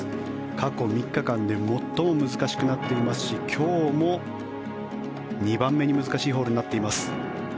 過去３日間で最も難しくなっていますし今日も２番目に難しいホールになっています。